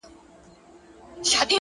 هره تجربه د ژوند درس دی!.